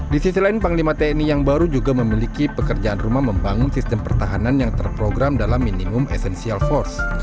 di sisi lain panglima tni yang baru juga memiliki pekerjaan rumah membangun sistem pertahanan yang terprogram dalam minimum essential force